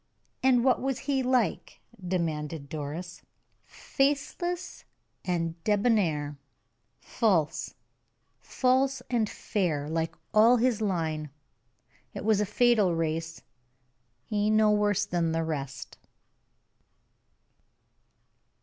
"And what was he like?" demanded Doris. "Faithless and debonair! False, false and fair, like all his line. It was a fatal race; he no worse than the rest."